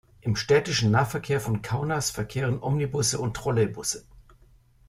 Im städtischen Nahverkehr von Kaunas verkehren Omnibusse und Trolleybusse.